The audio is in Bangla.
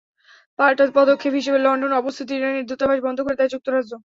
পাল্টা পদক্ষেপ হিসেবে লন্ডনে অবস্থিত ইরানের দূতাবাস বন্ধ করে দেয় যুক্তরাজ্য।